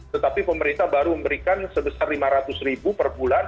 tetapi pemerintah baru memberikan sebesar lima ratus ribu per bulan